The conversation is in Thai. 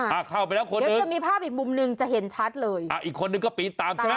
อ่าเดี๋ยวก็มีภาพอีกมุมหนึ่งจะเห็นชัดเลยอีกคนนึงก็ปีนตามใช่ไหม